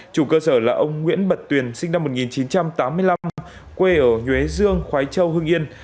chủ cơ sở là ông nguyễn bật tuyền sinh năm một nghìn chín trăm tám mươi năm quê ở nhuế dương khói châu hưng yên